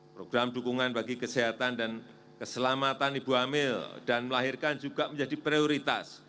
program dukungan bagi kesehatan dan keselamatan ibu hamil dan melahirkan juga menjadi prioritas